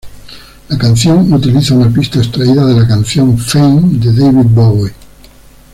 La canción utiliza una pista extraída de la canción "Fame" de David Bowie.